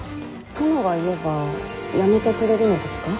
殿が言えばやめてくれるのですか？